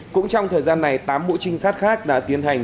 cũng trong thời gian này tám mũ trinh sát khác đã tiến hành